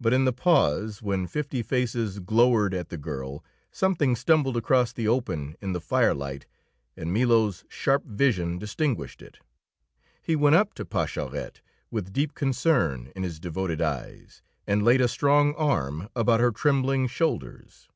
But in the pause, when fifty faces glowered at the girl, something stumbled across the open in the firelight, and Milo's sharp vision distinguished it. He went up to Pascherette, with deep concern in his devoted eyes, and laid a strong arm about her trembling shoulders.